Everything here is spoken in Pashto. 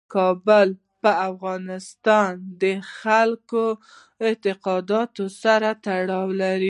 کابل په افغانستان کې د خلکو د اعتقاداتو سره تړاو لري.